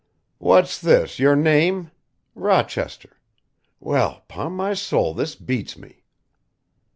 "What's this, your name? Rochester! well, 'pon my soul this beats me."